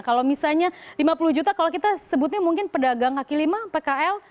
kalau misalnya lima puluh juta kalau kita sebutnya mungkin pedagang kaki lima pkl